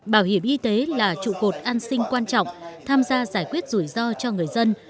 bảo hiểm y tế là trụ cột an sinh quan trọng tham gia giải quyết rủi ro cho người dân